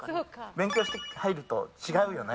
勉強して入ると違うよね。